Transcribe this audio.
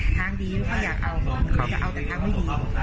ทางดีเพราะอยากเอาหรือจะเอาแต่ทางไม่ดี